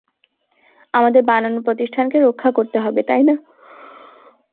আমাদের বানানো প্রতিষ্ঠানকে রক্ষা করতে হবে, তাই না?